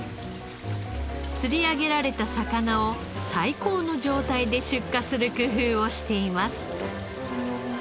釣り上げられた魚を最高の状態で出荷する工夫をしています。